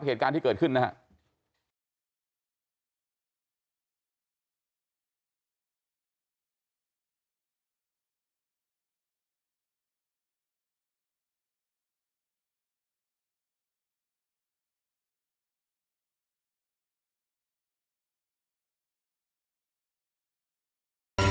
เหตุการณ์ที่เกิดขึ้นนะครับ